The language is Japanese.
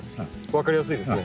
分かりやすいですね。